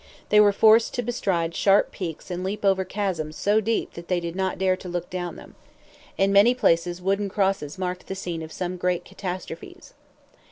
They were forced to bestride sharp peaks and leap over chasms so deep that they did not dare to look down them. In many places wooden crosses marked the scene of some great catastrophes.